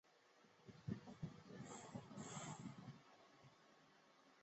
东石寨的历史年代为清。